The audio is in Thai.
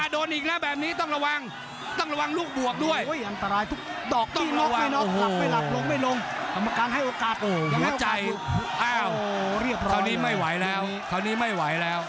ด้วยด้วยยังม้าว